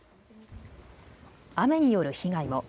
雨による被害も。